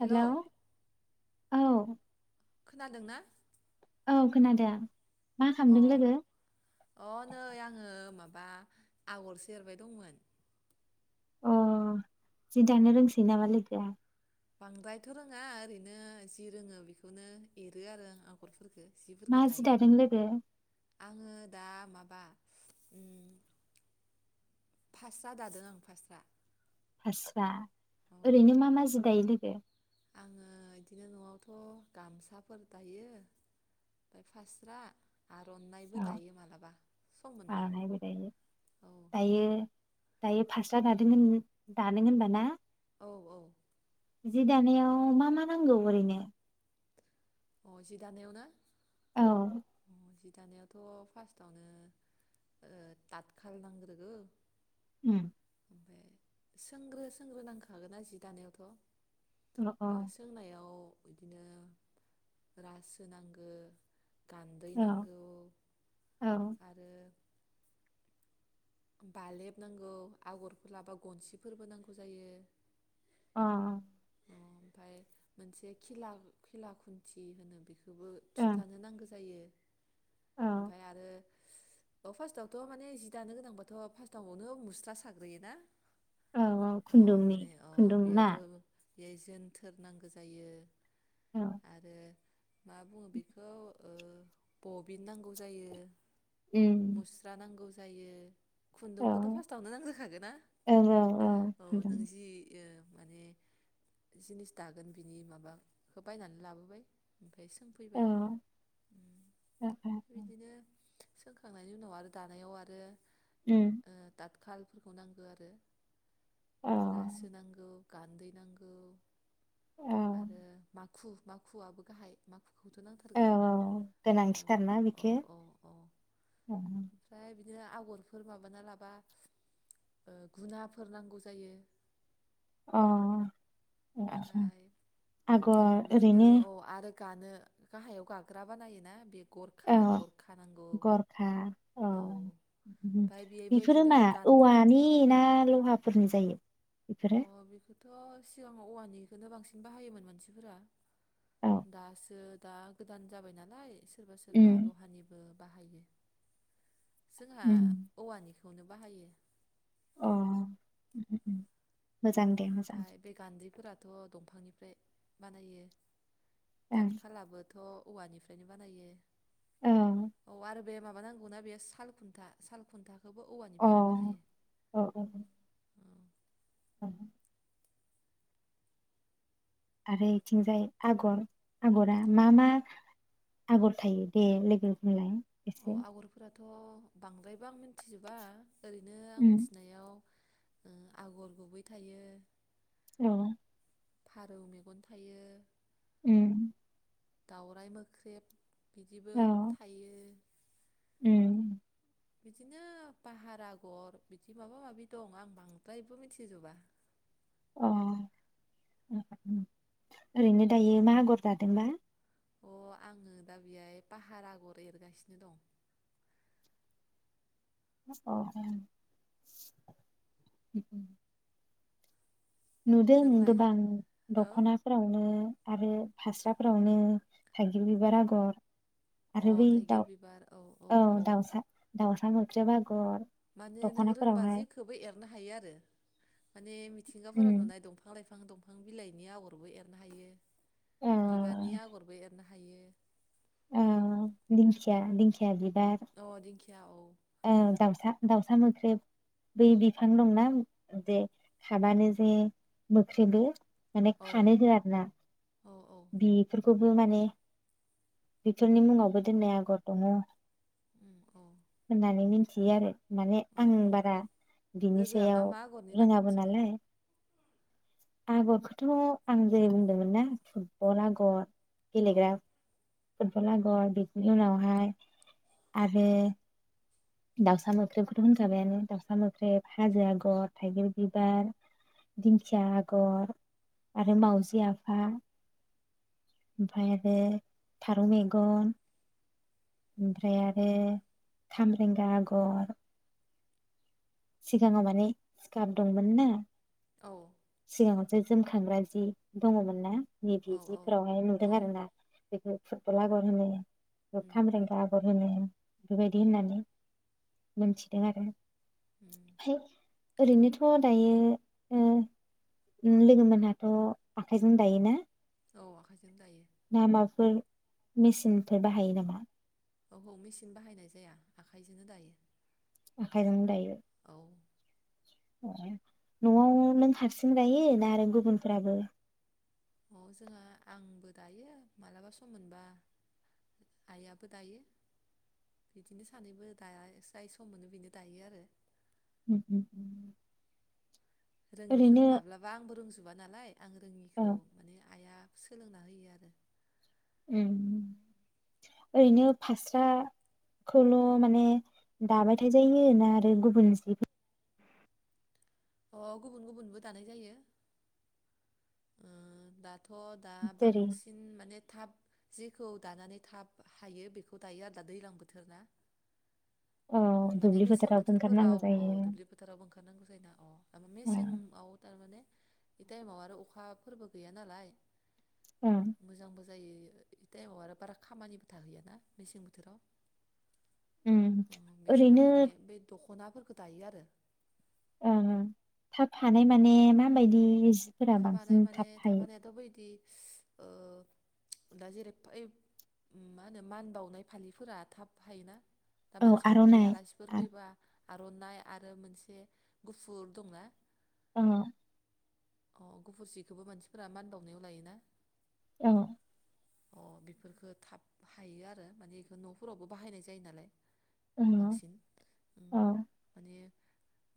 हेल'! औ। खोनादोंना? औ खोनादों। मा अ खालामदों लोगो अ नै आङो माबा बा आगरसे एरबाय दंमोन अ जि दानो रोंसै नामा लोगोआ बांद्रायथ' रोङा ओरैनो जि रोङो बेखौनो एरो आरो आगर खो मा सिफोरखौ जि दायो दादों लोगो आङो दा मा मा उ फास्रा दादों आं फास्स्रआ फास्रा ओरैनो मा मा जि दायो लोगो गो आङो बिदिनो न'आवथ' गामसाफोर दायो ओमफ्राय फास्रा आर'नायबो औ दायो मालाबा सम मोनबा आर'नाइबो दायो औ फास्रआ दादों दानो होनबा ना औ औ जि दानायाव मा मा नांगौ ओरैनो अ जि दानायावना औ जि दानायावथ फार्स्टआवनो थाथ खाल नांग्रोगौ उम ओमफ्राय सोंग्रो सोंग्रो नांखागोन ना जि अ दानायावथ सोंनायाव बिदिनो रासो नांगौ गान्दै अ औ नांगौ औ आरो बालेब नांगौ आगरफोर लाबा गनसिफोरबो नांगौ जायो अ ओमफ्राय मोनसे खिला खिला खुन्थि होनो बेखौ बेखौबो अ थुथानो नांगौ जायो औ ओमफ्राय आरो अ फार्स्टआवथ माने जि दानो गोनांबाथ फार्स्टआवनो मुस्ला साग्रोयोना औ औ अ खुन्दुंनि माने अ खुन्दुं ना बेयोथ' बे जोनथोर नांगौ जायो औ आरो मा बुङो बेखौ ओ बबिन नांगौ जायो उम मुस्रा नांगौ जायो औ खुन्दुंखौथ फार्स्टआवनो नांग्रोखागोन ना ओं औ औ अ खुन्दुं नों जि माने जिनिस दागोन बिनि माबाखौ बायनानै लाबोबाय ओम ओफ्राय सोंफैबाय औ ओ ओ बिदिनो सोंखांनायनि उनाव आरो दानायाव आरो उम खालफोरखौ नांगो आरो औ ओमफाय रासो नांगौ। गान्दै नांग गौ औ आरो माख खु माखुआबो गाहाय माखु खौथ' औ नांथारगो औ गोनांथिथारना औ बेखो औ औ अ ओमफ्राय बि दिनो आगरफोर माबाना लाबा ओ गुनाफोर नांगौ जायो। अ ओमफाय उम बिदिनो ओरैनो औ आरो गानो गाहायाव गाग्रा बानायो ना बेख अ गरखा अ औ ओमफ्राय उम बेबो बेफोरो इदिनो मा गान्दो औवानि ना लहा? फोरनि जायो अ बेफोरो बेखौथ' सिगांआव औवानि बेखो बांसिन बाहायोमोन मानसिफोरा औ दासोद दा गोदान जाबाय नालाय स सोरबा सोरबा उम लहानिबो बाहायो। जोंहा उम औवानिख खौनो बाहायो। उम उम हो मोजां दे मोजां। थ' दंफांनिफ्राय बानायो। दात खालाबोथ' औवानिफ्रायनो बानायो। ओं औ आरोब बे माबा नांगौना बे साल खुन्था सालखुन्था खौबो औ औवानिफ्रायनो बानायो। अ औ औ औ आरो इथिंजाय आगर आगरा मा मा आगर थायो दे लोगो बुंलाय? एसे थ' बांद्रायबो आं मिन्थ थिजोबा ओरैनो आं उम मिथिनायाव आगर गुबै थायो औ फारौ मेगन थायो उम दाउराइ मोख्रेब बिदिबो औ थायो उम बिदिनो पाहार आगर बिदि माबा माबि दं आं बांद्रायबो मिथिजोबा अ ओरैनो दायो मा आगर दादोंबा अ आङो दा बेहाय पाहार आगर एरगासिनो दं [unintelligible] नुदों नोंलाय गोबां औ दख'नाफोरावनो आरो फास्राफोरावनो थाइगिर बिबार आगर आरो बै दाउ औ दाउसा दाउसा मो ख्रेब माने नों रोंबा जेखौबो एरनो हायो आरो। माने मिथिंगाफोरा उम नुनाय दंफां लाइफां दंफां बिलाइनि आगरबो एरनो हायो। ओ बिबारनि आगरबो एर नो हायो। ओं दिंखिया उम। दिंखिया बिबार अ दिंखिया औ ओ दाउसा दाउसा मोख्रेब बै बिफां दंना जे खाबानो जे मोख्रेबो। माने औ खानो होआ आरो ना। औ औ बेफोरखौबो माने बेफोरनि मुङावबो जोंना आगर दङ। उम औ होननानै मिथि थियो आरो। माने औ आं औ बारा बिनि लोगोआ मा सायाव मा आगरनि नाम रोङाबो मिथिगौ नालाय। आगरखौथ आं जे बुंदोंमोन ना थु गर आगर औ [unintelligible] फुटबल आगर बिनि उनावहाय आरो दाउसा मोख्रेबखौथ होनखाबायानो दाउसा मोख्रेब हाजो आगर थाइगिर बिबार, दिंखिया आगर, आरो माउजि आफा ओमफ्राय आरो फारौ मेगन। ओमफ्राय आरो खामरेंगा आगर। सिगाङाव माने सिकाप दंमोन ना। औ। जो-जोमखांग्रा जि दङमोन ना? नि औ औ बिदिफोरावहाय नुदों औ आरो ना बेखौ फुर फल' आगर होनो। उम खाम उम रेंगा आगर होनो बेबायद बिदि होननानै मोनथिदों आरो। उम ओमफ्राय ओरै नोथ' दायो ओह उम लोगो मोनहाथ' आखाइजों दायोना? औ आखाइजों दायो। ना माफोर मेसिन फोर बाहायो नामा? औ हौ मेचिन बाहायनाय जाया आखाइजोंनो दायो। आखायजोंनो दायो औ ओ। नआव नों हारसिं दायो ना आरो गुबुनफ्राबो अ जोंहा आंबो दायो मालाबा सम मोनबा आइयाबो दायो बिदिनो सानैबो दाया जाय सम मोनो बेनो दायो आरो। उम उम। रोंङि ओरैनो फोरखौ माब्लाबा आंबो रोंजोबा नाल लाय। आं औ रोङिखौ माने आइआ सोलोंना हायो आरो। ओन ओरैनो फास्रा खौल' माने दाबाय थाजायो ना आरो गुबुन जि अ गुबुन गुबुनबो दानाय जायो। उम दा थ' दा जेरै बांसिन माने थाब जिखौ दानानै थाब हायो बेखौ दायो आरो दा दैज्लां बोथोर ना। औ माने दुब्लि मेसें फोथारावबो बोथोर ओंखारनांगौ फोराव औ जायो दुब्लि फोथारावबो ओंखार नांगौ जायो ना, औ ओ मेसें आव थारमाने बे थाइमाव आरो अखा अखा फोरबो गैया नालाय ओ मोजां बो जायो बे टाइमाव आरो बारा खामानिबो थाहैयाना मेसें बोथोराव। ओम ओरैनो दख'ना फोरखौ दायो आरो। ओं ओं थाब हानाय माने माबायदि जि थाब हानाय माने थाब हानायाथ' बैदि [unintelligible] ओ दा जेरै ओइ मा होनो मान बावनाय फालिफोरा थाब हायोना। दा औ मानसि फोरखौदि आलासिफोर आर'नाइ फैबा आरनाइ आरो मोनसे गुफुर दंना ओ। औ गुफुर जिखौबो मानसि फोरा मान बावनायाव लायोना। औ। अ बेफोर फोरखौ थाब हायो आरो माने बेखौ न' फोरावबो बाहायनाय जायो नालाय। बांसिन ओम माने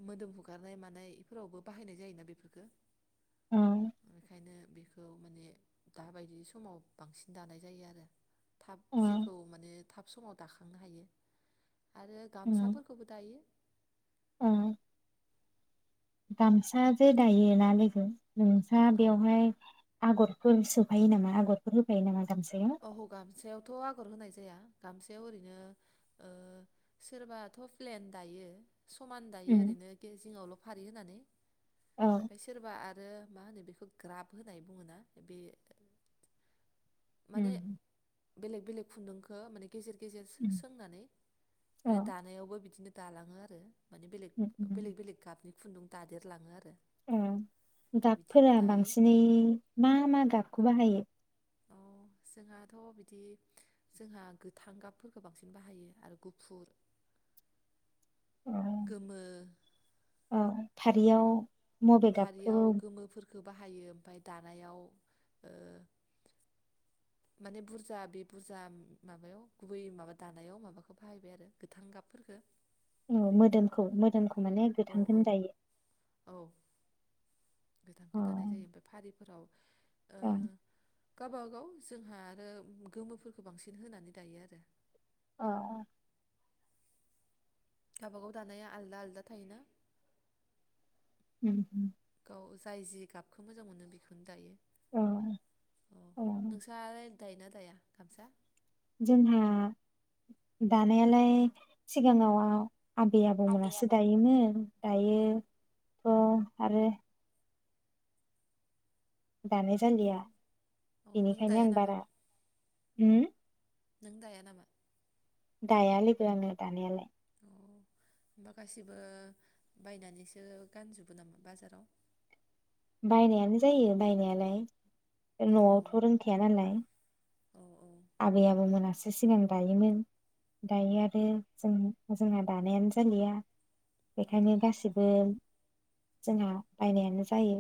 मोदोम हुगारनाय मानाय इ फोरावबो बाहायनाय जायोना बेफोरखौ। गामसा बेखायनो। बेखौ माने दाबायदि समाव बांसिन दानाय जायो आरो थाब जेखौ माने थाब समाव दाखांनो हायो। आरो गामसाफोरखौबो दायो। औ। गामसाबो दायोना लोगो। नोंस्रा औ बेवहाय आगरफोर सोफायो नामा आगरफोर होफायो नामा? गामसायाव ओहो गामसायावथ आगर होनाय जाया गामसायाव ओरैनो सोरबाथ प्लेन दायो। समान दायो उम ओरैनो एसे जिङावल फारि होनानै औ ओमफ्राय सोरबा आरो आरो मा होनो बेखौ ग्राफ होनाय बुङोना बे माने उम बेलेग बेलेग खुन्दुंखो माने गेजेर गेजेर सो उम सोंनानै औ माने दानायावबो बिदिनो दालाङो आरो। माने बेलेग उम उम बेलेग बेलेग गाबनि खुन्दुं दादेरलाङो आरो। ओ अ बिदिबो गाबफोरा दायो बांसिनै मा मा गाबखौ बाहायो जोंहाथ बिदि जोंहा गोथां गाबफोरखौ बांसिन बाहायो आरो गुफुर औ गोमो औ फारियाव मबे गाबखौ फालियाव गोमोफोरखौ बाहायो ओमफ्राय दान दानायाव ओ माने बुरजा बे बुरजा माबायाव गुबै माबा दानायाव माबाखौ बाहायबाय आरो गोथां गाब फोरखो औ मोदोमखौ मोदोमखौ माने औ गोथांखौ औ दायो। औ अ गोथांखौ दानाय जायो ओमफ्राय फारिफोराव ओ अ गावबागाव जोंहा आरो गोमोफोरखौ बांसिन होनानै दायो आरो। अ अ गावबागाव दानाया आलदा आलदा थायोना उम अम गाव जाय जि गाबखौ मोजां मोनो बेखौनो दायो। उम अ अ नोंसा दायोना दाया गामसा? जोंहा दानायालाय सिगाङाव। आबै आबौमोनासो दायोमोन। दायोथ आरो दानाय जालिया अ नों बेनिखायनो दाया आं नामा बारा होम नों दाया नामा? दाया लोगो आङो दानायालाय होनबा गासिबो बायनानैसो गानजोबो नामा बाजाराव? बायनायानो जायो बायनायालाय अ नआवथ' रोंखाया नालाय औ औ आबै आबौमोनासो सिगां दायोमोन दायो आरो जों जोंहा दानायानो जालिया औ बेखायनो गासिबो जोंहा बायनायानो जायो।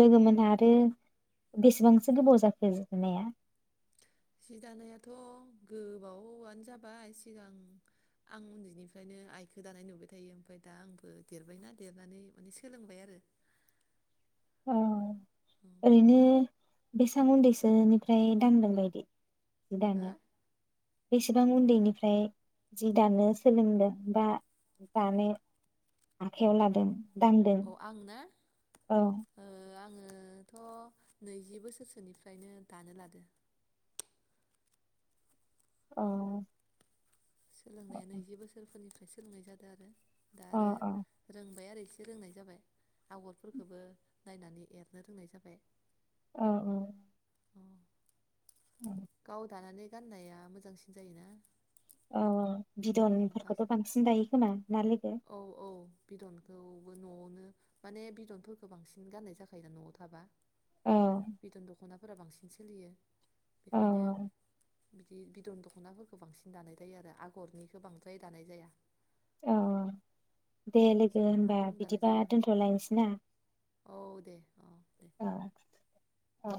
लोगो मोनहा आरो बेसेबांसो गोबाव जाखो जानाया? जि दानायाथ' गोबावआनो जाबाय सिगां आं उन्दैनिफ्रायनो आइखौ दानाय नुबाय थायो ओमफ्राय दा आंबो देरबायना देरनानै माने सोलोंबाय आरो। औ ओरैनो बेसां उन्दैसोनिफ्राय दांदों बायदि जि दानाया बेसेबां उन्दैनिफ्राय जि दानो सोलोंदों बा दानो आखायाव लादों दांदों अ आंना औ ओ आं ओथ' नैजि बोसोरसोनिफ्रायनो दानो लादो। अ सोलोंनाया नैजि बोसोरफोरनि सोलोंनाय जादों आरो दा अ आरो रोंबाय आरो एसे रोंनाय जाबाय आगरफोरखौबो नायनानै एरनो रोंनाय जाबाय। औ औ अ औ गाव दानानै गाननाया मोजांसिन जायोना औ औ बाज बिदनफोरखौथ' बांसिन दायो खोमा ना लोगो खौबो न'आवनो माने बिदनफोरखौ बांसिन गाननाय जाखायोना न'आव थाबा औ बिदन दख'ना फोरा बांसिन सोलियो। औ बेखायनो बिदि बिदन दख'नाफोरखौ बांसिन दानाय जायो आरो आगरनिखौ बांद्राय दानाय जाया। औ औ दे लोगो जोबोद होमबा खम दानाय बिदिबा जायो दोनथ'लायनोसै ना औ दे औ दे औ औ